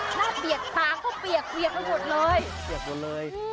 หน้าเปียกปากเพราะเปียกเมิดเลย